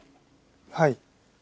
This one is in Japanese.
はい。